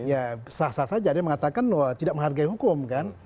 ya sah sah saja dia mengatakan loh tidak menghargai hukum kan